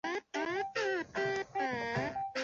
布雷特维尔洛格约斯。